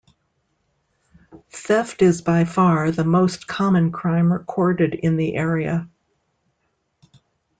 Theft is by far the most common crime recorded in the area.